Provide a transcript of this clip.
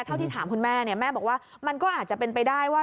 ที่ถามคุณแม่เนี่ยแม่บอกว่ามันก็อาจจะเป็นไปได้ว่า